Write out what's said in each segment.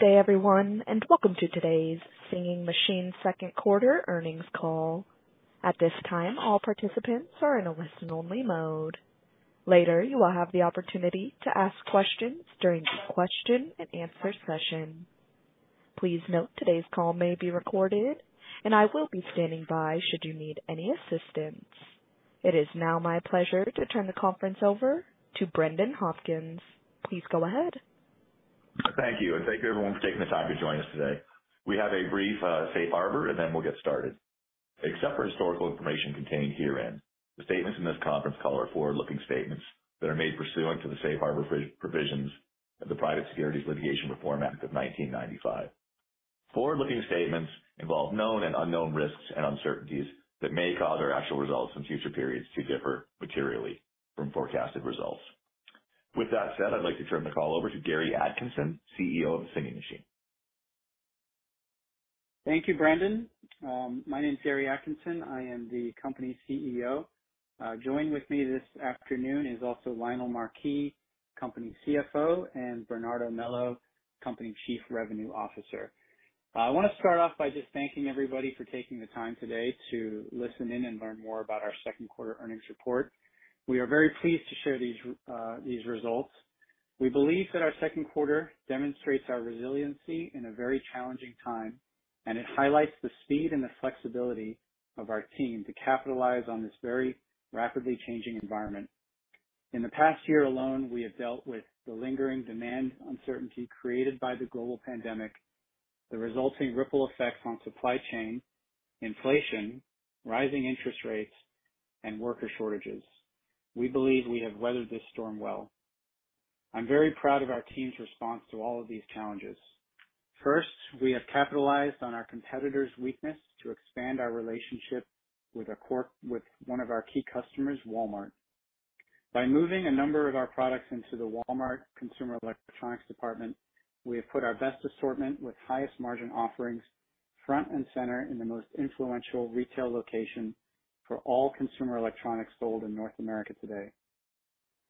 Good day everyone, and welcome to today's Singing Machine second quarter earnings call. At this time, all participants are in a listen-only mode. Later, you will have the opportunity to ask questions during the question and answer session. Please note today's call may be recorded and I will be standing by should you need any assistance. It is now my pleasure to turn the conference over to Brendan Hopkins. Please go ahead. Thank you, and thank you everyone for taking the time to join us today. We have a brief safe harbor, and then we'll get started. Except for historical information contained herein, the statements in this conference call are forward-looking statements that are made pursuant to the safe harbor provisions of the Private Securities Litigation Reform Act of 1995. Forward-looking statements involve known and unknown risks and uncertainties that may cause our actual results in future periods to differ materially from forecasted results. With that said, I'd like to turn the call over to Gary Atkinson, CEO of The Singing Machine. Thank you, Brendan. My name is Gary Atkinson. I am the company's CEO. Joined with me this afternoon is also Lionel Marquis, company CFO, and Bernardo Melo, company Chief Revenue Officer. I wanna start off by just thanking everybody for taking the time today to listen in and learn more about our second quarter earnings report. We are very pleased to share these results. We believe that our second quarter demonstrates our resiliency in a very challenging time, and it highlights the speed and the flexibility of our team to capitalize on this very rapidly changing environment. In the past year alone, we have dealt with the lingering demand uncertainty created by the global pandemic, the resulting ripple effects on supply chain, inflation, rising interest rates, and worker shortages. We believe we have weathered this storm well. I'm very proud of our team's response to all of these challenges. First, we have capitalized on our competitors' weakness to expand our relationship with one of our key customers, Walmart. By moving a number of our products into the Walmart consumer electronics department, we have put our best assortment with highest margin offerings front and center in the most influential retail location for all consumer electronics sold in North America today.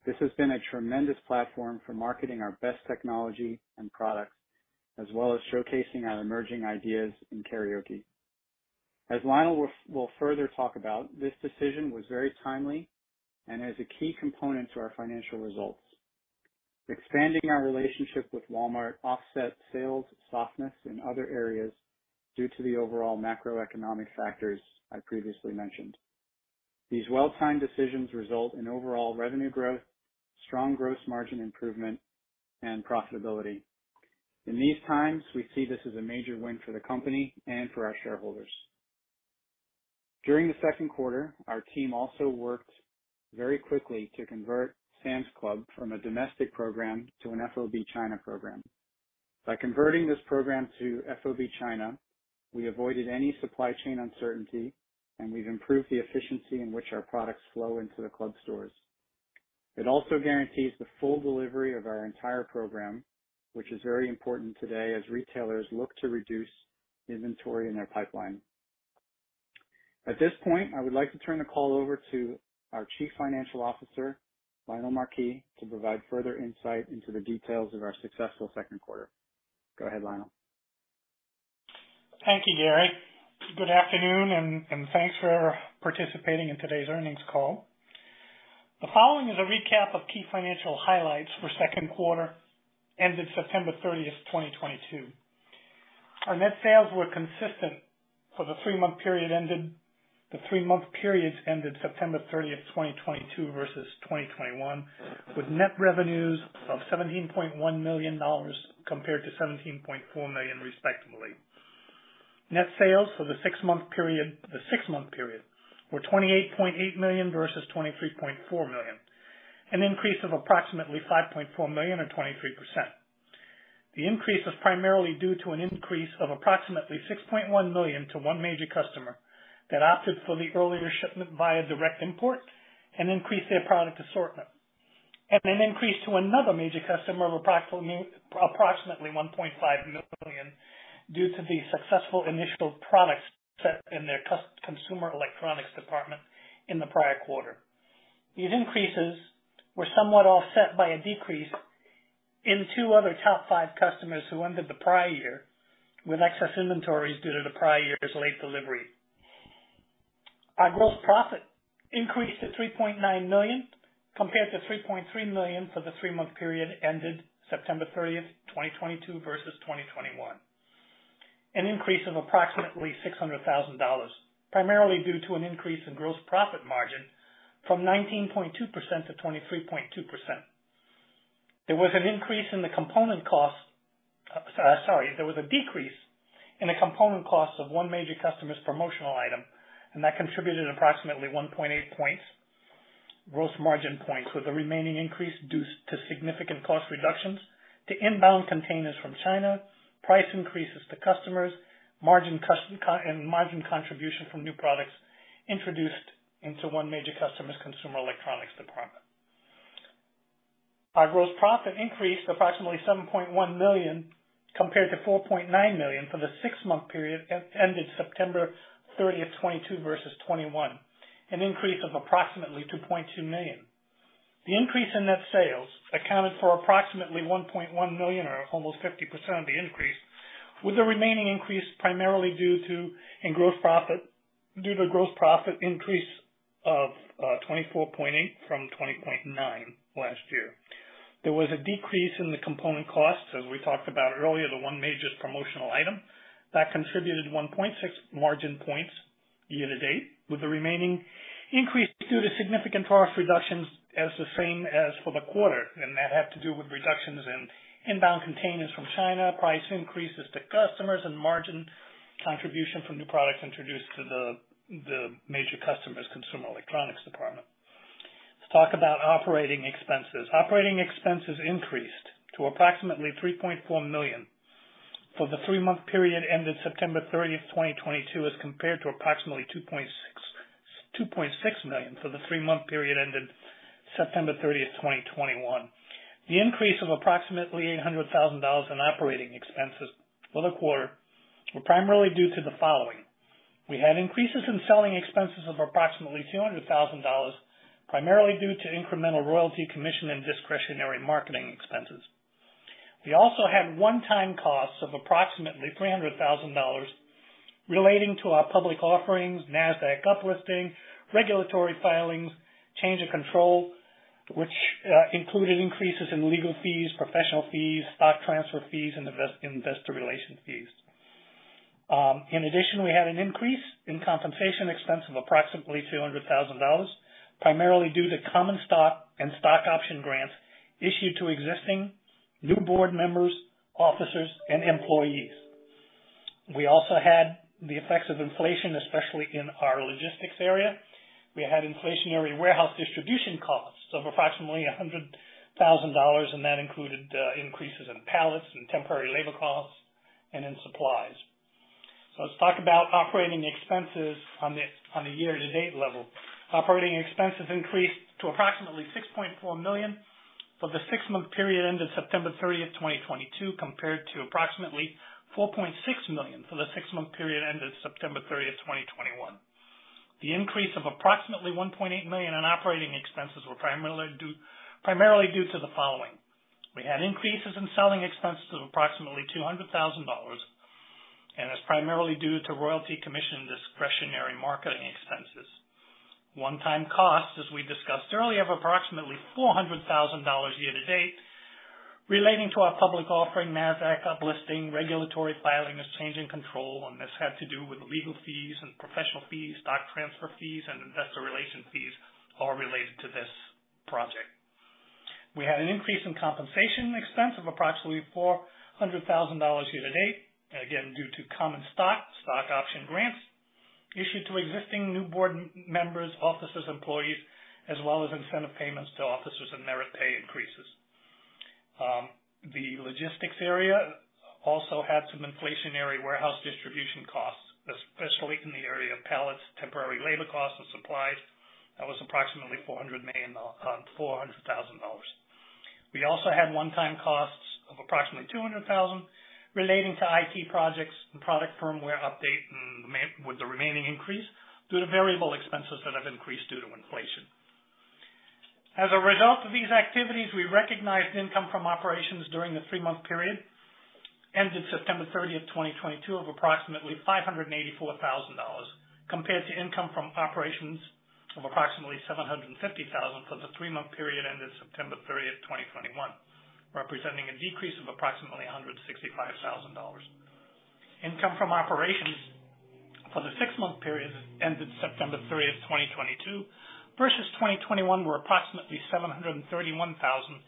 This has been a tremendous platform for marketing our best technology and products, as well as showcasing our emerging ideas in karaoke. As Lionel will further talk about, this decision was very timely and is a key component to our financial results. Expanding our relationship with Walmart offset sales softness in other areas due to the overall macroeconomic factors I previously mentioned. These well-timed decisions result in overall revenue growth, strong gross margin improvement, and profitability. In these times, we see this as a major win for the company and for our shareholders. During the second quarter, our team also worked very quickly to convert Sam's Club from a domestic program to an FOB China program. By converting this program to FOB China, we avoided any supply chain uncertainty, and we've improved the efficiency in which our products flow into the club stores. It also guarantees the full delivery of our entire program, which is very important today as retailers look to reduce inventory in their pipeline. At this point, I would like to turn the call over to our Chief Financial Officer, Lionel Marquis, to provide further insight into the details of our successful second quarter. Go ahead, Lionel. Thank you, Gary. Good afternoon, and thanks for participating in today's earnings call. The following is a recap of key financial highlights for second quarter ended September 30, 2022. Our net sales were consistent for the three-month periods ended September 30, 2022 versus 2021, with net revenues of $17.1 million compared to $17.4 million, respectively. Net sales for the six-month period were $28.8 million versus $23.4 million, an increase of approximately $5.4 million or 23%. The increase was primarily due to an increase of approximately $6.1 million to one major customer that opted for the earlier shipment via direct import and increased their product assortment. An increase to another major customer of approximately $1.5 million due to the successful initial product set in their consumer electronics department in the prior quarter. These increases were somewhat offset by a decrease in two other top five customers who ended the prior year with excess inventories due to the prior year's late delivery. Our gross profit increased to $3.9 million compared to $3.3 million for the three-month period ended September 30, 2022 versus 2021. An increase of approximately $600,000, primarily due to an increase in gross profit margin from 19.2% to 23.2%. There was an increase in the component cost. There was a decrease in the component cost of one major customer's promotional item, and that contributed approximately 1.8 gross margin points, with the remaining increase due to significant cost reductions to inbound containers from China, price increases to customers, and margin contribution from new products introduced into one major customer's consumer electronics department. Our gross profit increased approximately $7.1 million compared to $4.9 million for the six-month period ended September 30, 2022 versus 2021, an increase of approximately $2.2 million. The increase in net sales accounted for approximately $1.1 million or almost 50% of the increase, with the remaining increase primarily due to gross profit increase of 24.8% from 20.9% last year. There was a decrease in the component costs, as we talked about earlier, the one major promotional item that contributed 1.6 margin points year-to-date, with the remaining increase due to significant cost reductions as the same as for the quarter. That had to do with reductions in inbound containers from China, price increases to customers and margin contribution from new products introduced to the major customers, consumer electronics department. Let's talk about operating expenses. Operating expenses increased to approximately $3.4 million for the three-month period ended September 30, 2022, as compared to approximately $2.6 million for the three-month period ended September 30, 2021. The increase of approximately $800,000 in operating expenses for the quarter were primarily due to the following. We had increases in selling expenses of approximately $200,000, primarily due to incremental royalty commission and discretionary marketing expenses. We also had one-time costs of approximately $300,000 relating to our public offerings, Nasdaq uplisting, regulatory filings, change of control, which included increases in legal fees, professional fees, stock transfer fees, and investor relations fees. In addition, we had an increase in compensation expense of approximately $200,000, primarily due to common stock and stock option grants issued to existing new board members, officers, and employees. We also had the effects of inflation, especially in our logistics area. We had inflationary warehouse distribution costs of approximately $100,000, and that included increases in pallets and temporary labor costs and in supplies. Let's talk about operating expenses on a year-to-date level. Operating expenses increased to approximately $6.4 million for the six-month period ended September 30th, 2022, compared to approximately $4.6 million for the six-month period ended September 30th, 2021. The increase of approximately $1.8 million in operating expenses were primarily due to the following. We had increases in selling expenses of approximately $200,000, and it's primarily due to royalty commission discretionary marketing expenses. One-time costs, as we discussed earlier, of approximately $400,000 year to date relating to our public offering, Nasdaq uplisting, regulatory filings, change in control, and this had to do with legal fees and professional fees, stock transfer fees, and investor relations fees, all related to this project. We had an increase in compensation expense of approximately $400,000 year to date. Again, due to common stock option grants issued to existing new board members, officers, employees, as well as incentive payments to officers and merit pay increases. The logistics area also had some inflationary warehouse distribution costs, especially in the area of pallets, temporary labor costs and supplies. That was approximately $400,000. We also had one-time costs of approximately $200,000 relating to IT projects and product firmware update with the remaining increase due to variable expenses that have increased due to inflation. As a result of these activities, we recognized income from operations during the three-month period ended September 30, 2022, of approximately $584 thousand, compared to income from operations of approximately $750 thousand for the three-month period ended September 30, 2021, representing a decrease of approximately $165 thousand. Income from operations for the six-month period ended September 30, 2022 versus 2021 were approximately $731 thousand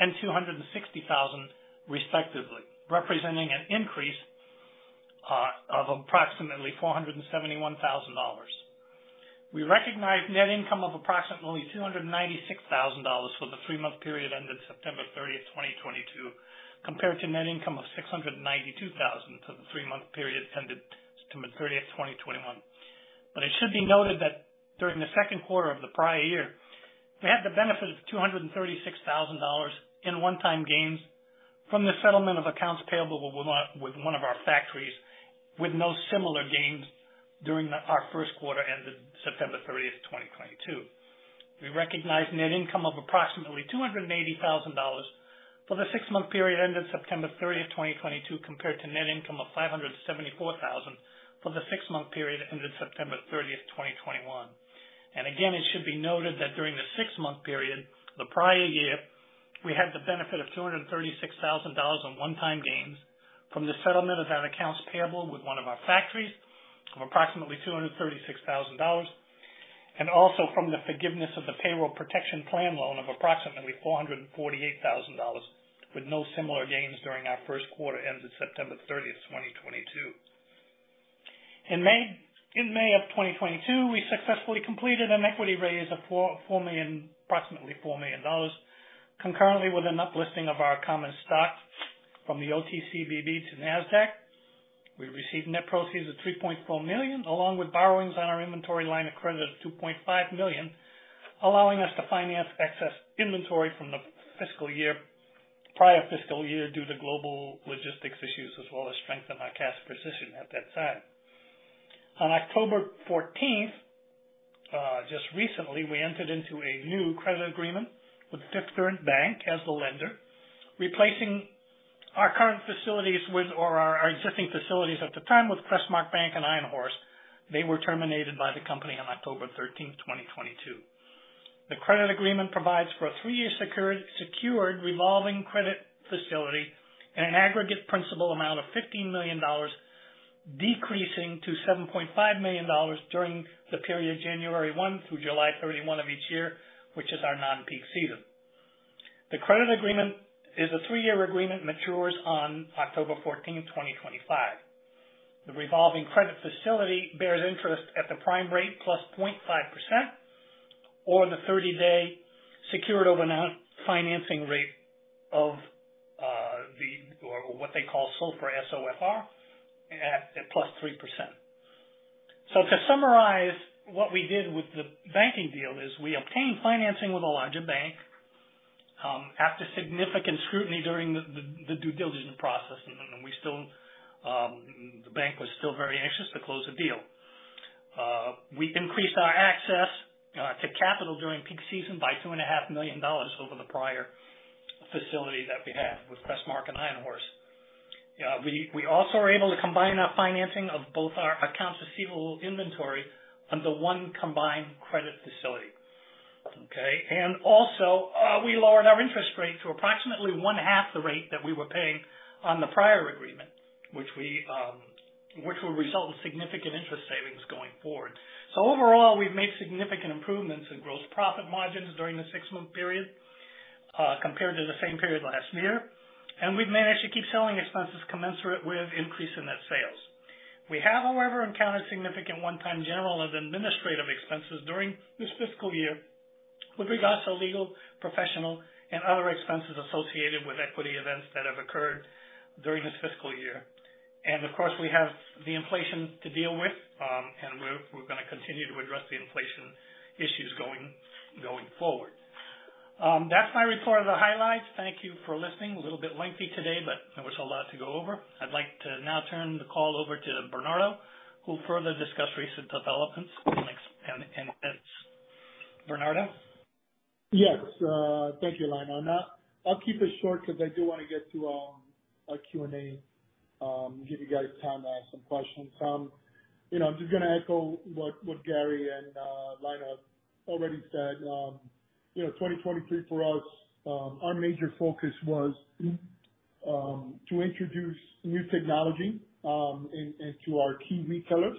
and $260 thousand respectively, representing an increase of approximately $471 thousand. We recognized net income of approximately $296 thousand for the three-month period ended September 30, 2022, compared to net income of $692 thousand for the three-month period ended September 30, 2021. It should be noted that during the second quarter of the prior year, we had the benefit of $236,000 in one-time gains from the settlement of accounts payable with one of our factories, with no similar gains during our first quarter ended September 30, 2022. We recognized net income of approximately $280,000 for the six-month period ended September 30, 2022, compared to net income of $574,000 for the six-month period ended September 30, 2021. Again, it should be noted that during the six-month period the prior year, we had the benefit of $236,000 in one-time gains from the settlement of that accounts payable with one of our factories of approximately $236,000, and also from the forgiveness of the Paycheck Protection Program loan of approximately $448,000 with no similar gains during our first quarter ended September 30, 2022. In May of 2022, we successfully completed an equity raise of approximately $4 million, concurrently with an uplisting of our common stock from the OTCBB to Nasdaq. We received net proceeds of $3.4 million, along with borrowings on our inventory line of credit of $2.5 million, allowing us to finance excess inventory from the prior fiscal year due to global logistics issues, as well as strengthen our cash position at that time. On October fourteenth, just recently, we entered into a new credit agreement with a different bank as the lender, replacing our existing facilities at the time with Crestmark Bank and Iron Horse. They were terminated by the company on October thirteenth, 2022. The credit agreement provides for a three-year secured revolving credit facility and an aggregate principal amount of $15 million, decreasing to $7.5 million during the period January one through July thirty-one of each year, which is our non-peak season. The credit agreement is a 3-year agreement and matures on October 14, 2025. The revolving credit facility bears interest at the prime rate + 0.5% or the 30-day secured overnight financing rate what they call SOFR, S-O-F-R, at +3%. To summarize, what we did with the banking deal is we obtained financing with a larger bank after significant scrutiny during the due diligence process. We still, the bank was still very anxious to close the deal. We increased our access to capital during peak season by $2.5 million over the prior facility that we had with Crestmark and Iron Horse. We also were able to combine our financing of both our accounts receivable inventory under one combined credit facility. Okay? We lowered our interest rate to approximately one half the rate that we were paying on the prior agreement, which will result in significant interest savings going forward. Overall, we've made significant improvements in gross profit margins during the six-month period compared to the same period last year, and we've managed to keep selling expenses commensurate with increase in net sales. We have, however, encountered significant one-time general and administrative expenses during this fiscal year with regards to legal, professional, and other expenses associated with equity events that have occurred during this fiscal year. Of course, we have the inflation to deal with, and we're gonna continue to address the inflation issues going forward. That's my report of the highlights. Thank you for listening. A little bit lengthy today, but there was a lot to go over. I'd like to now turn the call over to Bernardo, who'll further discuss recent developments and events. Bernardo? Yes. Thank you, Lionel. I'll keep it short because I do wanna get to Q&A, give you guys time to ask some questions. You know, I'm just gonna echo what Gary and Lionel already said. You know, 2023 for us, our major focus was to introduce new technology into our key retailers,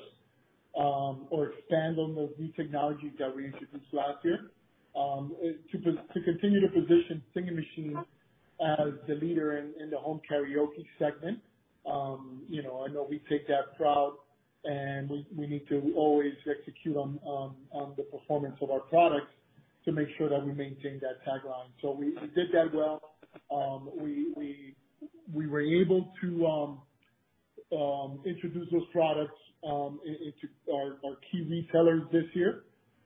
or expand on those new technologies that we introduced last year, to continue to position Singing Machine as the leader in the home karaoke segment. You know, I know we take that pride, and we need to always execute on the performance of our products to make sure that we maintain that tagline. We did that well. We were able to introduce those products into our key retailers this year,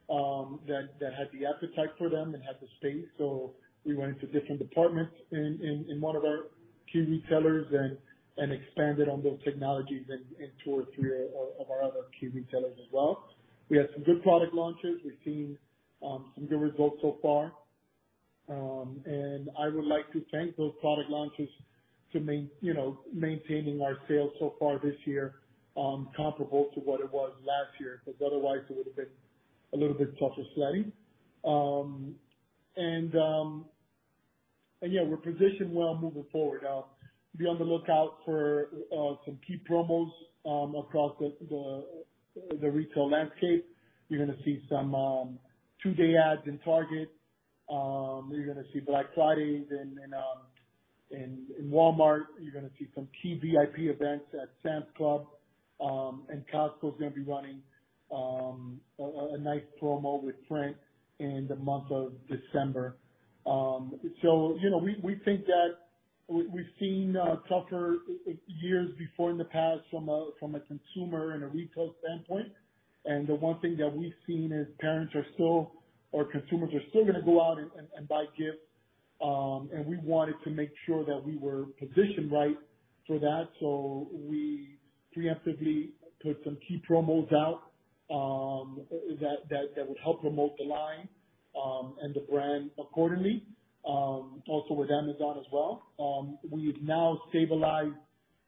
that had the appetite for them and had the space. We went into different departments in one of our key retailers and expanded on those technologies in two or three of our other key retailers as well. We had some good product launches. We've seen some good results so far. I would like to thank those product launches. You know, maintaining our sales so far this year, comparable to what it was last year, because otherwise it would've been a little bit tougher sledding. Yeah, we're positioned well moving forward. I'll be on the lookout for some key promos across the retail landscape. You're gonna see some two-day ads in Target. You're gonna see Black Fridays in Walmart. You're gonna see some key VIP events at Sam's Club. Costco is gonna be running a nice promo with Trent in the month of December. You know, we think that we've seen tougher years before in the past from a consumer and a retail standpoint. The one thing that we've seen is parents are still, or consumers are still gonna go out and buy gifts, and we wanted to make sure that we were positioned right for that. We preemptively put some key promos out that would help promote the line and the brand accordingly, also with Amazon as well. We've now stabilized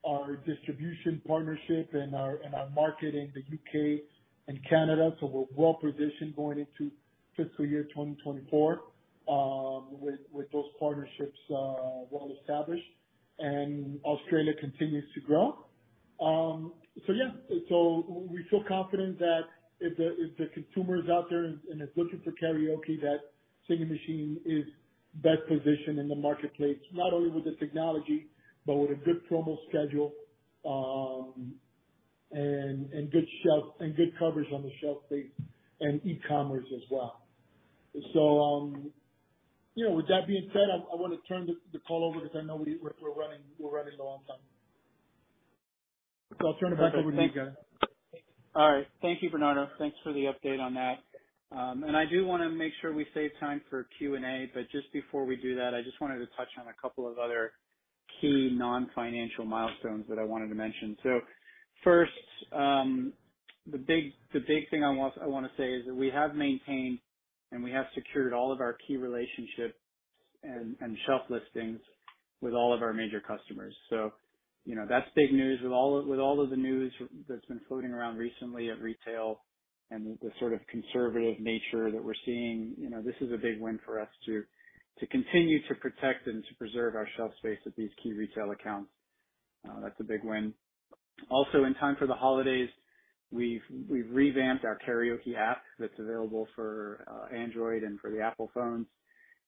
our distribution partnership and our market in the U.K. and Canada, so we're well positioned going into fiscal year 2024, with those partnerships well established. Australia continues to grow. Yeah. We feel confident that if the consumer is out there and is looking for karaoke, that Singing Machine is best positioned in the marketplace, not only with the technology, but with a good promo schedule, and good shelf, and good coverage on the shelf space and e-commerce as well. You know, with that being said, I wanna turn the call over because I know we're running low on time. I'll turn it back over to you guys. All right. Thank you, Bernardo. Thanks for the update on that. I do wanna make sure we save time for Q&A, but just before we do that, I just wanted to touch on a couple of other. Key nonfinancial milestones that I wanted to mention. First, the big thing I wanna say is that we have maintained and we have secured all of our key relationships and shelf listings with all of our major customers. You know, that's big news with all of the news that's been floating around recently at retail and the sort of conservative nature that we're seeing. You know, this is a big win for us to continue to protect and to preserve our shelf space at these key retail accounts. That's a big win. Also, in time for the holidays, we've revamped our karaoke app that's available for Android and for the Apple phones.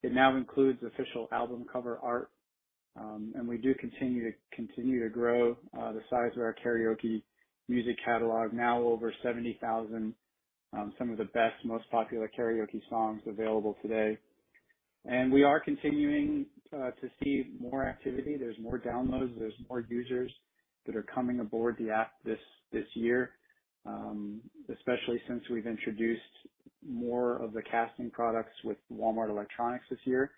It now includes official album cover art. We do continue to grow the size of our karaoke music catalog, now over 70,000, some of the best, most popular karaoke songs available today. We are continuing to see more activity. There's more downloads. There's more users that are coming aboard the app this year, especially since we've introduced more of the casting products with Walmart Electronics this year.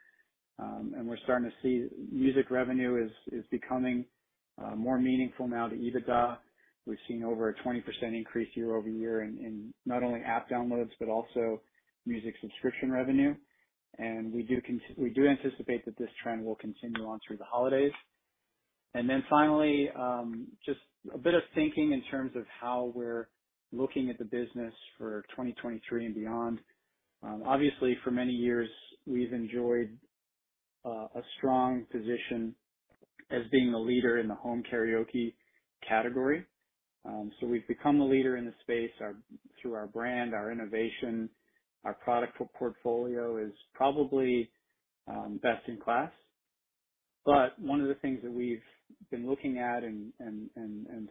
We're starting to see music revenue is becoming more meaningful now to EBITDA. We've seen over a 20% increase year-over-year in not only app downloads, but also music subscription revenue. We do anticipate that this trend will continue on through the holidays. Finally, just a bit of thinking in terms of how we're looking at the business for 2023 and beyond. Obviously for many years we've enjoyed a strong position as being the leader in the home karaoke category. We've become the leader in the space through our brand, our innovation, our product portfolio is probably best in class. One of the things that we've been looking at and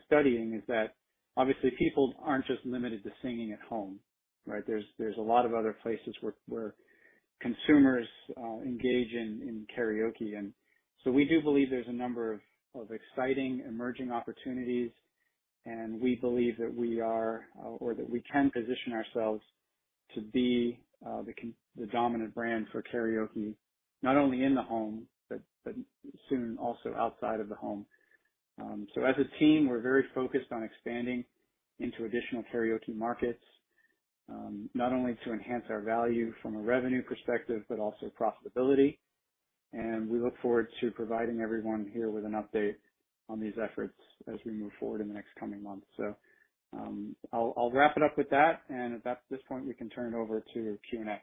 studying is that obviously people aren't just limited to singing at home, right? There's a lot of other places where consumers engage in karaoke. We do believe there's a number of exciting emerging opportunities, and we believe that we can position ourselves to be the dominant brand for karaoke, not only in the home, but soon also outside of the home. As a team, we're very focused on expanding into additional karaoke markets, not only to enhance our value from a revenue perspective, but also profitability. We look forward to providing everyone here with an update on these efforts as we move forward in the next coming months. I'll wrap it up with that. At this point, you can turn it over to Q&A.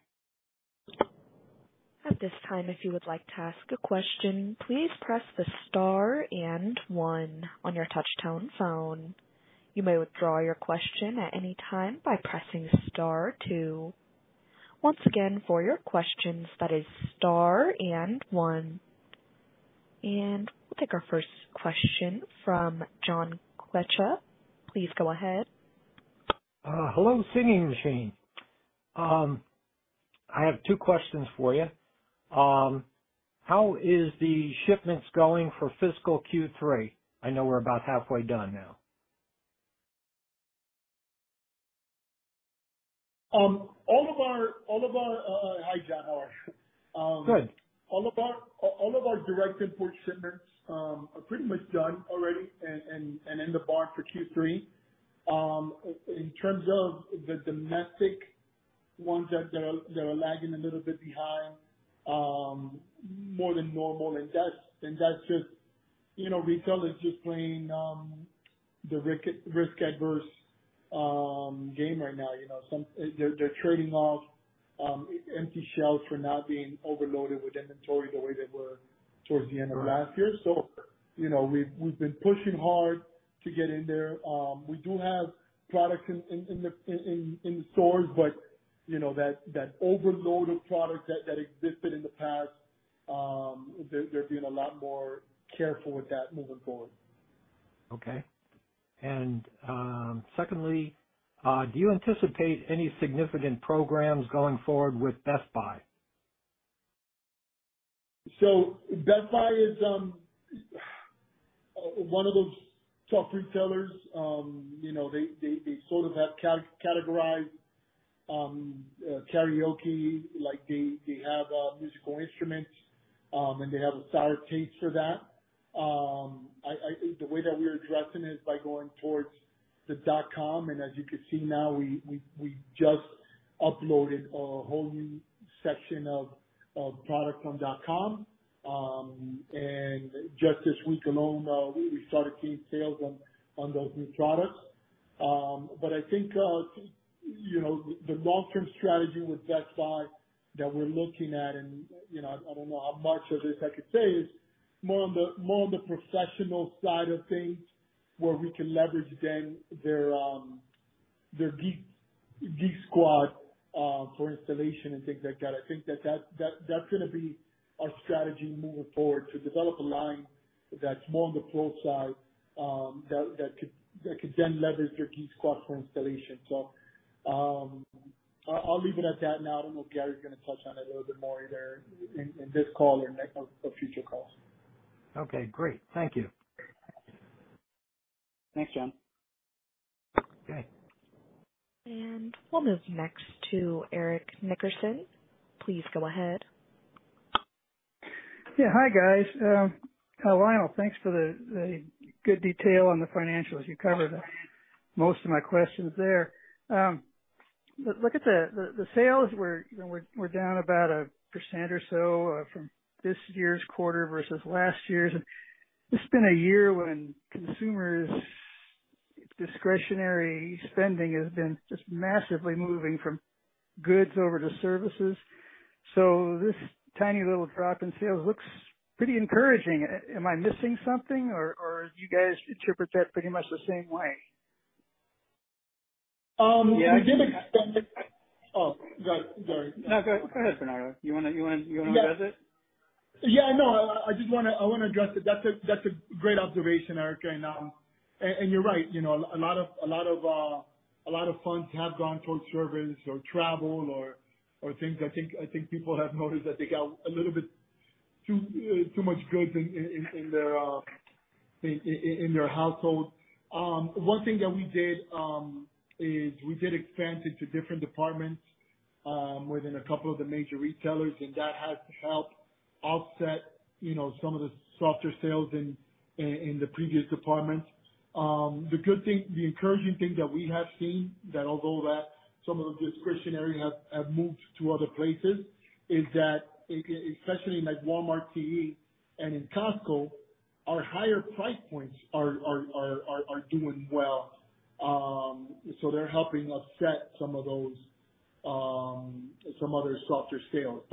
At this time, if you would like to ask a question, please press the star and one on your touch-tone phone. You may withdraw your question at any time by pressing star two. Once again, for your questions, that is star and one. We'll take our first question from John Kovich. Please go ahead. Hello, Singing Machine. I have two questions for you. How is the shipments going for fiscal Q3? I know we're about halfway done now. Hi, John, how are you? Good. All of our direct import shipments are pretty much done already and in the bag for Q3. In terms of the domestic ones, they're lagging a little bit behind more than normal. That's just, you know, retail is just playing the risk-averse game right now. You know, they're trading off empty shelves for not being overloaded with inventory the way they were towards the end of last year. You know, we've been pushing hard to get in there. We do have products in the stores, but you know, that overload of product that existed in the past, they're being a lot more careful with that moving forward. Secondly, do you anticipate any significant programs going forward with Best Buy? Best Buy is one of those top retailers. You know, they sort of have categorized karaoke. Like they have musical instruments, and they have a store page for that. The way that we're addressing it is by going towards the dot com. As you can see now, we just uploaded a whole new section of products on dot com. Just this week alone, we started seeing sales on those new products. I think, you know, the long-term strategy with Best Buy that we're looking at, and, you know, I don't know how much of this I could say, is more on the professional side of things where we can leverage their Geek Squad for installation and things like that. I think that's gonna be our strategy moving forward, to develop a line that's more on the pro side, that could then leverage their Geek Squad for installation. I'll leave it at that now. I don't know if Gary's gonna touch on it a little bit more either in this call or next or future calls. Okay, great. Thank you. Thanks, John. Okay. We'll move next to Eric Nickerson. Please go ahead. Yeah. Hi, guys. Lionel, thanks for the good detail on the financials. You covered most of my questions there. Look at the sales. You know, we're down about 1% or so from this year's quarter versus last year's. It's been a year when consumers' discretionary spending has been just massively moving from goods over to services. This tiny little drop in sales looks pretty encouraging. Am I missing something or do you guys interpret that pretty much the same way? We did extend it. Oh, go ahead, Gary. No, go ahead, Lionel. You wanna address it? Yeah, no, I just wanna address it. That's a great observation, Eric. You're right, you know, a lot of funds have gone towards service or travel or things. I think people have noticed that they got a little bit too much goods in their household. One thing that we did is we did expand into different departments within a couple of the major retailers, and that has helped offset, you know, some of the softer sales in the previous departments. The good thing, the encouraging thing that we have seen that although that some of the discretionary have moved to other places, is that especially in like Walmart and in Costco, our higher price points are doing well. They're helping offset some of those, some other softer sales.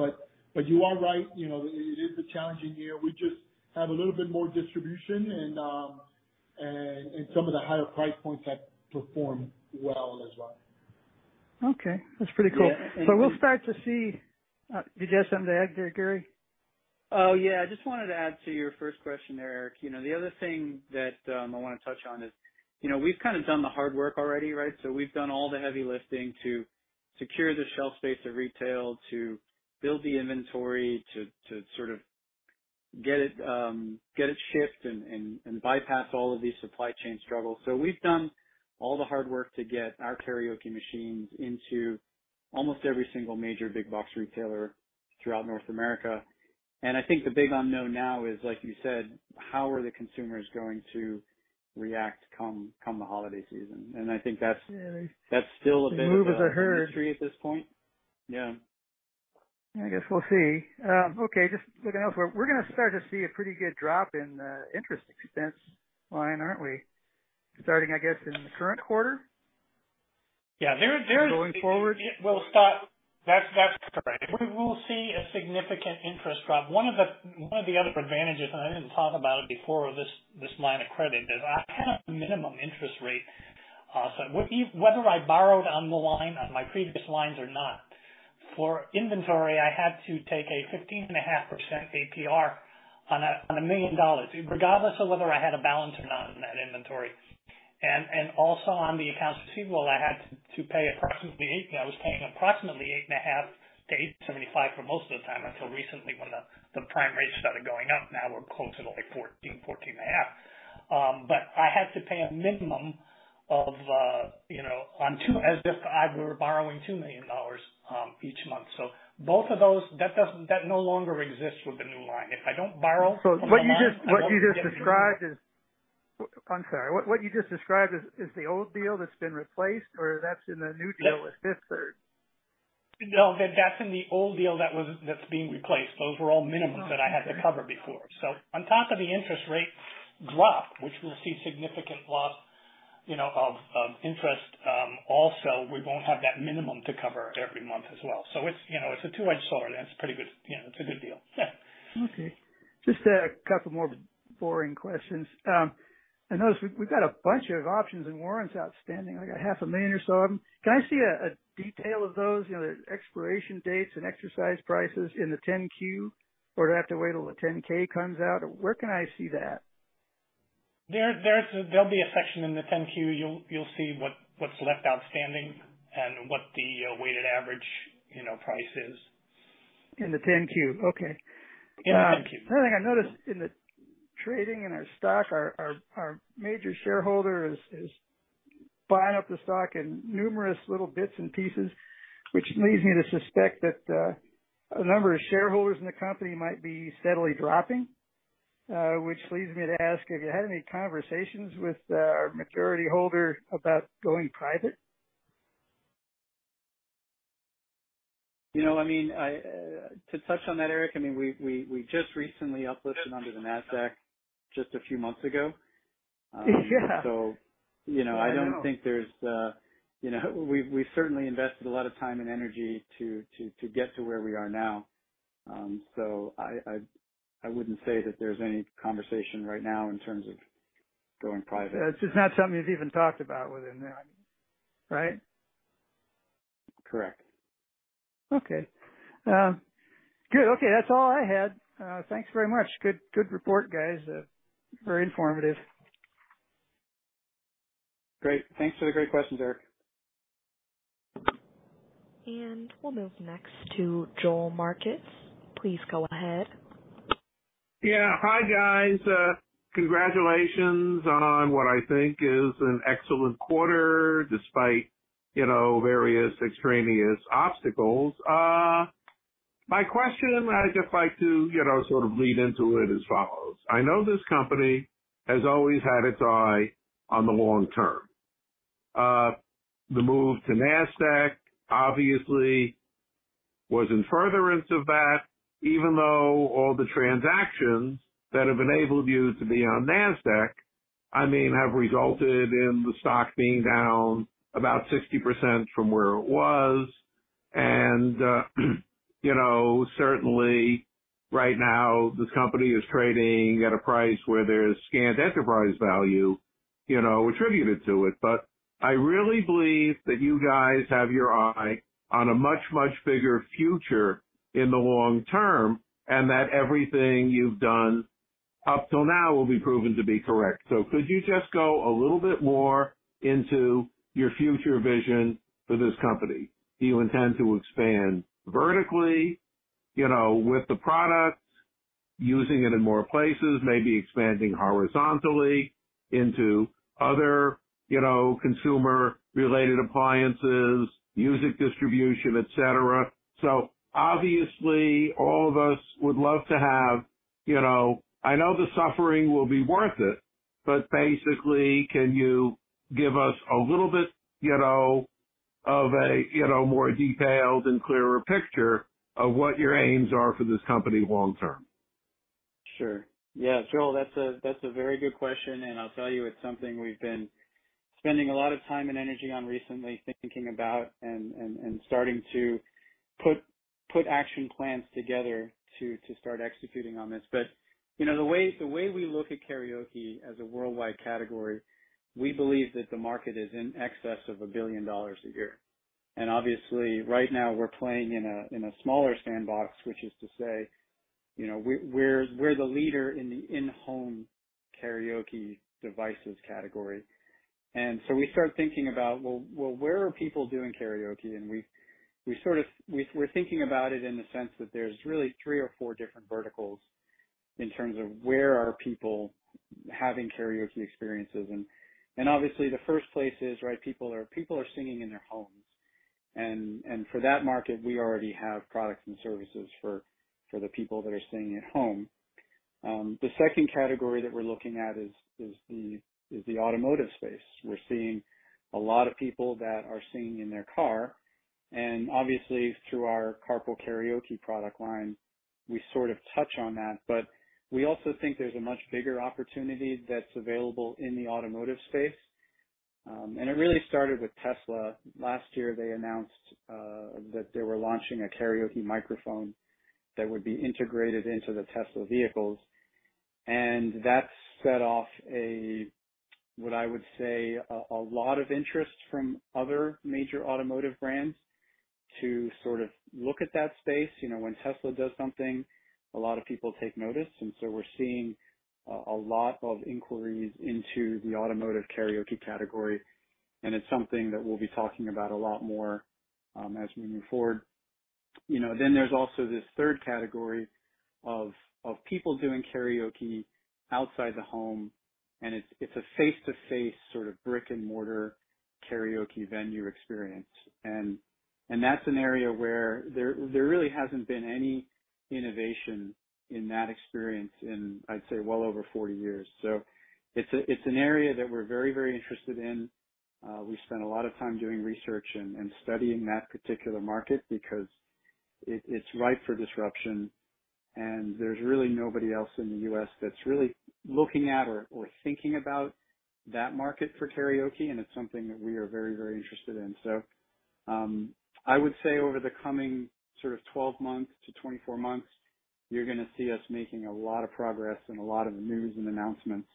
You are right, you know, it is a challenging year. We just have a little bit more distribution and some of the higher price points have performed well as well. Okay. That's pretty cool. Yeah, thank you. We'll start to see. Did you have something to add there, Gary? Oh, yeah. I just wanted to add to your first question there, Eric. You know, the other thing that I wanna touch on is, you know, we've kinda done the hard work already, right? We've done all the heavy lifting to secure the shelf space of retail, to build the inventory, to sort of get it shipped and bypass all of these supply chain struggles. We've done all the hard work to get our karaoke machines into almost every single major big box retailer throughout North America. I think the big unknown now is, like you said, how are the consumers going to react come the holiday season? I think that's- Yeah, they. That's still a bit of a They move as a herd. Mystery at this point. Yeah. I guess we'll see. Okay, just looking elsewhere, we're gonna start to see a pretty good drop in interest expense line, aren't we? Starting, I guess, in the current quarter? Yeah. Going forward. That's correct. We will see a significant interest drop. One of the other advantages, and I didn't talk about it before, this line of credit, is I had a minimum interest rate. Whether I borrowed on the line on my previous lines or not, for inventory, I had to take a 15.5% APR on $1 million, regardless of whether I had a balance or not in that inventory. Also on the accounts receivable, I was paying approximately 8.5%-8.75% for most of the time, until recently when the prime rate started going up. Now we're closer to, like, 14%-14.5%. I had to pay a minimum of, you know, on two. as if I were borrowing $2 million each month. Both of those, that no longer exists with the new line. If I don't borrow on the line. What you just described is the old deal that's been replaced, or that's in the new deal with Fifth Third? No, that's in the old deal that's being replaced. Those were all minimums. Oh, okay. That I had to cover before. On top of the interest rate drop, which we'll see significant loss, you know, of interest, also, we won't have that minimum to cover every month as well. It's, you know, it's a two-edged sword. It's pretty good. You know, it's a good deal. Yeah. Okay. Just a couple more boring questions. I notice we've got a bunch of options and warrants outstanding. I got half a million or so of them. Can I see a detail of those, you know, the expiration dates and exercise prices in the 10-Q? Or do I have to wait till the 10-K comes out? Where can I see that? There'll be a section in the 10-Q. You'll see what's left outstanding and what the weighted average, you know, price is. In the 10-Q. Okay. Yeah, 10-Q. Another thing I noticed in the trading in our stock, our major shareholder is buying up the stock in numerous little bits and pieces, which leads me to suspect that a number of shareholders in the company might be steadily dropping. Which leads me to ask if you had any conversations with our majority holder about going private? You know, I mean, to touch on that, Eric, I mean, we just recently uplisted under the Nasdaq just a few months ago. Yeah. You know, I don't think there's, you know. We've certainly invested a lot of time and energy to get to where we are now. I wouldn't say that there's any conversation right now in terms of going private. It's just not something you've even talked about within that, right? Correct. Okay. Good. Okay. That's all I had. Thanks very much. Good report, guys. Very informative. Great. Thanks for the great questions, Eric. We'll move next to Joel Marcus. Please go ahead. Yeah. Hi, guys. Congratulations on what I think is an excellent quarter despite, you know, various extraneous obstacles. My question I'd just like to, you know, sort of lead into it as follows: I know this company has always had its eye on the long term. The move to Nasdaq obviously was in furtherance of that, even though all the transactions that have enabled you to be on Nasdaq, I mean, have resulted in the stock being down about 60% from where it was. You know, certainly right now, this company is trading at a price where there's scant enterprise value, you know, attributed to it. I really believe that you guys have your eye on a much, much bigger future in the long term, and that everything you've done up till now will be proven to be correct. Could you just go a little bit more into your future vision for this company? Do you intend to expand vertically, you know, with the products, using it in more places, maybe expanding horizontally into other, you know, consumer related appliances, music distribution, et cetera? Obviously, all of us would love to have, you know, I know the suffering will be worth it, but basically, can you give us a little bit, you know, of a, you know, more detailed and clearer picture of what your aims are for this company long term? Sure. Yeah. Joel, that's a very good question. I'll tell you, it's something we've been spending a lot of time and energy on recently thinking about and starting to put action plans together to start executing on this. You know, the way we look at karaoke as a worldwide category, we believe that the market is in excess of $1 billion a year. Obviously right now we're playing in a smaller sandbox, which is to say, you know, we're the leader in the in-home karaoke devices category. We start thinking about, well, where are people doing karaoke? We're thinking about it in the sense that there's really three or four different verticals in terms of where are people having karaoke experiences. Obviously the first place is, right, people are singing in their homes. For that market, we already have products and services for the people that are singing at home. The second category that we're looking at is the automotive space. We're seeing a lot of people that are singing in their car, and obviously through our Carpool Karaoke product line, we sort of touch on that. We also think there's a much bigger opportunity that's available in the automotive space. It really started with Tesla. Last year they announced that they were launching a karaoke microphone that would be integrated into the Tesla vehicles, and that set off a, what I would say, a lot of interest from other major automotive brands to sort of look at that space. You know, when Tesla does something, a lot of people take notice. We're seeing a lot of inquiries into the automotive karaoke category, and it's something that we'll be talking about a lot more as we move forward. You know, then there's also this third category of people doing karaoke outside the home, and it's a face-to-face sort of brick and mortar karaoke venue experience. That's an area where there really hasn't been any innovation in that experience in, I'd say, well over 40 years. It's an area that we're very interested in. We've spent a lot of time doing research and studying that particular market because it's ripe for disruption and there's really nobody else in the U.S. that's really looking at or thinking about that market for karaoke, and it's something that we are very, very interested in. I would say over the coming sort of 12 months to 24 months, you're gonna see us making a lot of progress and a lot of news and announcements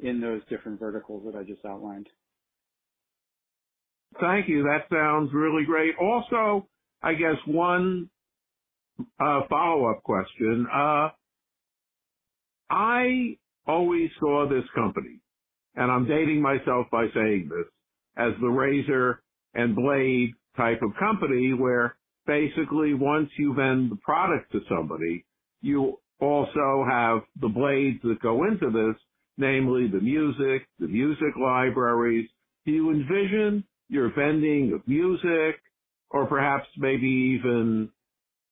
in those different verticals that I just outlined. Thank you. That sounds really great. Also, I guess one follow-up question. I always saw this company, and I'm dating myself by saying this, as the razor and blade type of company, where basically once you vend the product to somebody, you also have the blades that go into this, namely the music, the music libraries. Do you envision you're vending of music or perhaps maybe even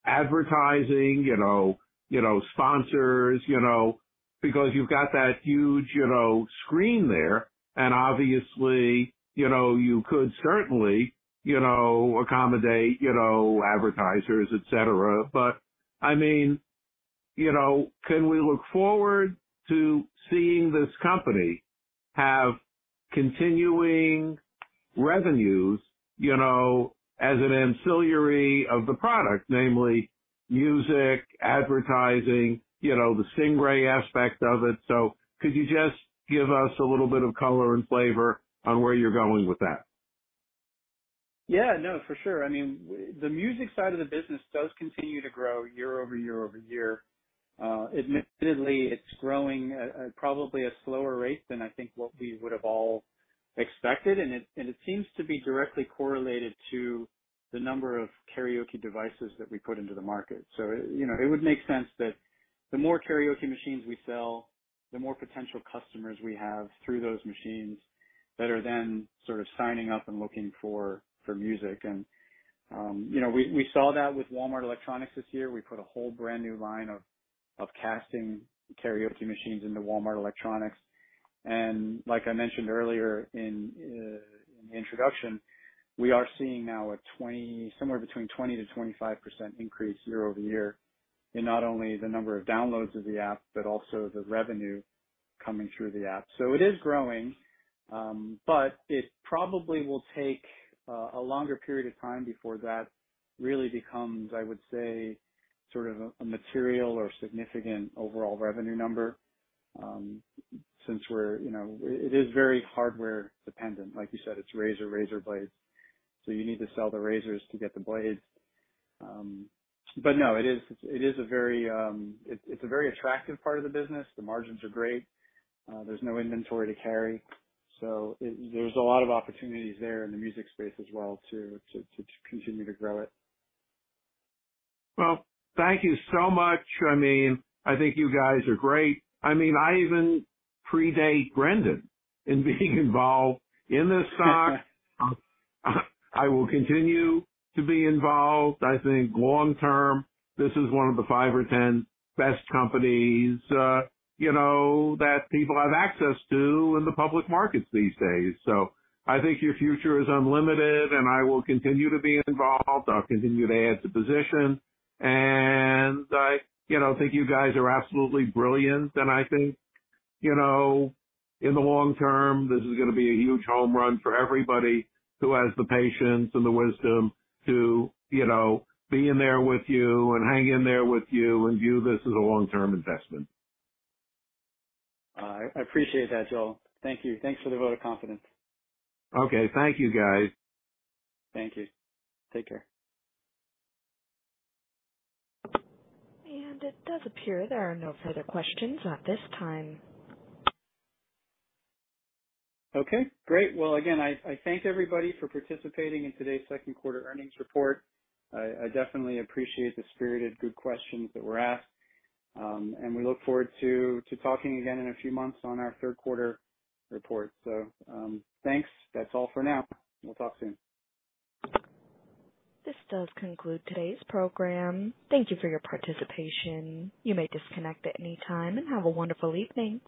advertising, you know, you know, sponsors, you know, because you've got that huge, you know, screen there and obviously, you know, you could certainly, you know, accommodate, you know, advertisers, et cetera. But I mean, you know, can we look forward to seeing this company have continuing revenues, you know, as an ancillary of the product, namely music, advertising, you know, the Stingray aspect of it? Could you just give us a little bit of color and flavor on where you're going with that? Yeah, no, for sure. I mean, the music side of the business does continue to grow year over year over year. Admittedly, it's growing at, probably a slower rate than I think what we would have all expected, and it seems to be directly correlated to the number of karaoke devices that we put into the market. You know, it would make sense that the more karaoke machines we sell, the more potential customers we have through those machines that are then sort of signing up and looking for music. You know, we saw that with Walmart Electronics this year. We put a whole brand new line of casting karaoke machines into Walmart Electronics. Like I mentioned earlier in the introduction, we are seeing now a 20... Somewhere between 20%-25% increase year-over-year in not only the number of downloads of the app, but also the revenue coming through the app. It is growing, but it probably will take a longer period of time before that really becomes, I would say, sort of a material or significant overall revenue number, since we're, you know, it is very hardware dependent. Like you said, it's razor razorblades, so you need to sell the razors to get the blades. It is a very attractive part of the business. The margins are great. There's no inventory to carry. There's a lot of opportunities there in the music space as well to continue to grow it. Well, thank you so much. I mean, I think you guys are great. I mean, I even predate Brendan in being involved in this stock. I will continue to be involved. I think long term, this is one of the 5 or 10 best companies, you know, that people have access to in the public markets these days. I think your future is unlimited, and I will continue to be involved. I'll continue to add to position. I, you know, think you guys are absolutely brilliant. I think, you know, in the long term, this is gonna be a huge home run for everybody who has the patience and the wisdom to, you know, be in there with you and hang in there with you and view this as a long-term investment. I appreciate that, Joel. Thank you. Thanks for the vote of confidence. Okay. Thank you, guys. Thank you. Take care. It does appear there are no further questions at this time. Okay, great. Well, again, I thank everybody for participating in today's second quarter earnings report. I definitely appreciate the spirited good questions that were asked. We look forward to talking again in a few months on our third quarter report. Thanks. That's all for now. We'll talk soon. This does conclude today's program. Thank you for your participation. You may disconnect at any time. Have a wonderful evening.